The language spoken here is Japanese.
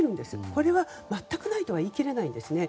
これは全くないとは言い切れないんですね。